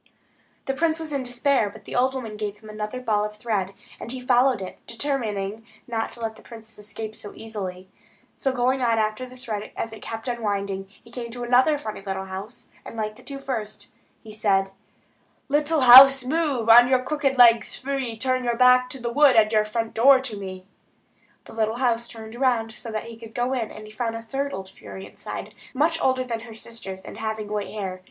The prince was in despair; but the old woman gave him another ball of thread, and he again followed it, determining not to let the princess escape again so easily. So going on after the thread, as it kept unwinding, he came to a funny little house, like the two first, and said: "Little house, move On your crooked legs free; Turn your back to the wood, And your front door to me." The little house turned round, so that he could go in, and he found a third old fury inside; much older than her sisters, and having white hair.